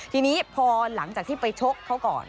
ทีนี้พอหลังจากที่ไปชกเขาก่อน